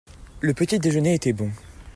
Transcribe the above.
Le petit-déjeuner était bon.